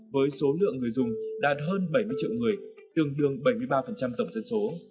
với số lượng người dùng đạt hơn bảy mươi triệu người tương đương bảy mươi ba tổng dân số